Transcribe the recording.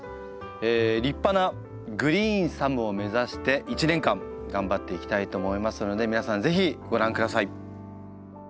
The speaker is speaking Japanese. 立派なグリーンサムを目指して１年間頑張っていきたいと思いますので皆さんぜひご覧ください。